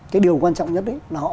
cái điều quan trọng nhất là họ